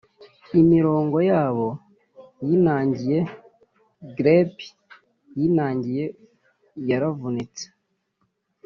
imirongo yabo yinangiye glebe yinangiye yaravunitse;